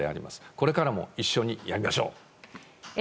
これからも一緒にやりましょう。